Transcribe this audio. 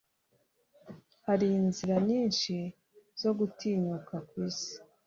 hari inzira nyinshi zo gutinyuka kwisi